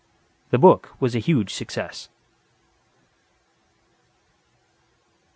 The book was a huge success.